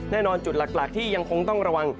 แน่นอนจุดหลักที่ยังคงต้องระวัง